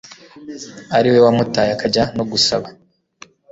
ari we wamutaye akajya no gusaba